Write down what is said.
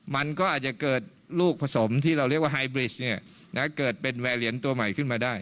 มันก็อาจจะเกิดลูกผสมที่เราเรียกว่าไฮบริชเกิดเป็นแวร์เหลียนตัวใหม่ขึ้นมาได้